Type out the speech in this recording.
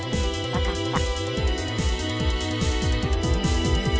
分かった。